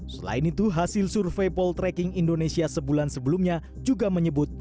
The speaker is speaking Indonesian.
selain itu hasil survei poltreking indonesia sebulan sebelumnya juga menyebut